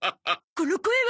この声は！